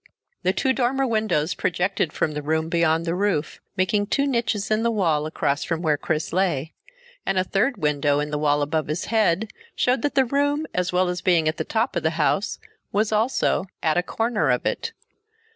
Two dormer windows projected from the room beyond the roof, making two niches in the wall across from where Chris lay, and a third window in the wall above his head showed that the room, as well as being at the top of the house, was also at a corner of it.